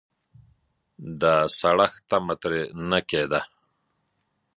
د سړښت تمه ترې نه کېده.